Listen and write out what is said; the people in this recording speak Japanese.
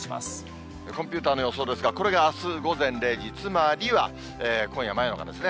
コンピューターの予想ですが、これがあす午前０時、つまりは、今夜、真夜中ですね。